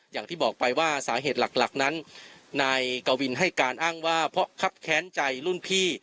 อย่างที่บอกไปว่าสาเหตุหลักนั้นนายกวินให้การอ้างว่าเพราะครับแค้นใจรุ่นพี่